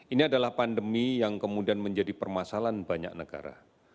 ini adalah pandemi yang kemudian menjadi permasalahan banyak negara